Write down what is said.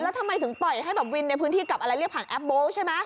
แล้วทำไมถึงปล่อยให้แบบวินในพื้นที่กับอะไรเรียกผ่านแอปโบ๊ทใช่ไหม